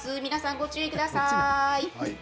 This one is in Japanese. ご注意ください。